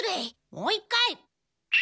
もう一回！